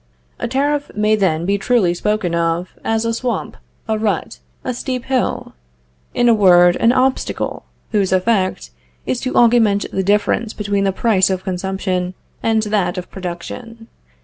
A tariff may then be truly spoken of, as a swamp, a rut, a steep hill; in a word, an obstacle, whose effect is to augment the difference between the price of consumption and that of production.